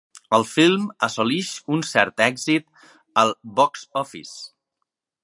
El film assoleix un cert èxit al box-office.